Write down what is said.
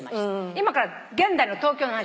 今から現代の東京の話を。